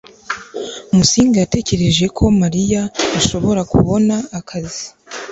musinga yatekereje ko mariya ashobora kubona akazi